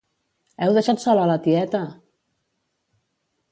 Heu deixat sola a la tieta!